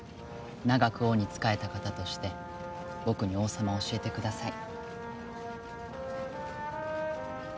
長く王に仕えた方として僕に王様を教えてください。